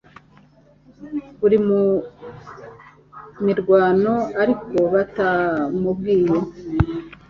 bari mu mirwano ariko batamubwiye